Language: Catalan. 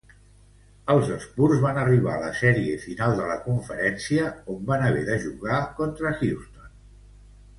Els Spurs van arribar a la sèrie final de la conferència, on van haver de jugar contra Houston.